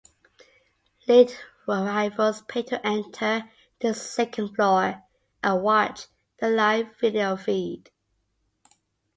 Late arrivals paid to enter the second floor and watch the live video feed.